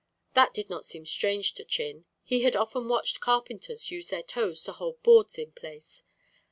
That did not seem strange to Chin. He had often watched carpenters use their toes to hold boards in place.